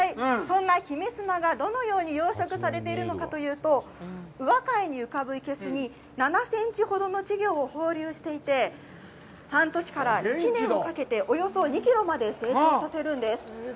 そんな媛スマがどのように養殖されているのかというと、宇和海に浮かぶ生けすに７センチほどの稚魚を放流していて、半年から１年をかけて、およそ２キロまで成長させるんです。